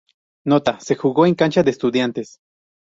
Nota: Se jugó en cancha de Estudiantes.